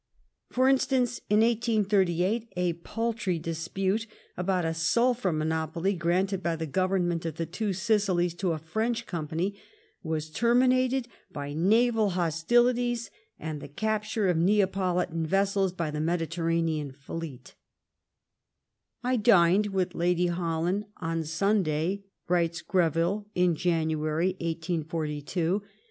For instance, in 1838, a paltry dispute about a sulphur monopoly granted by the Government of the Two Sicilies to a French company was terminated by naval hostilities and the capture of Neapolitan vessels by the Mediterranean fleet, I dined with Lady Hol land on Sunday/' writes Greyille in January 1842, ABERDEEN AT THE FOBEION OFFICE.